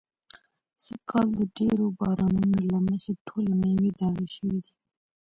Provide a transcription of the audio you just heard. سږ کال د ډېرو بارانو نو له مخې ټولې مېوې داغي شوي دي.